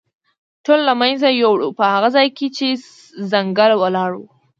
ټول له منځه یووړ، په هغه ځای کې چې ځنګل ولاړ و.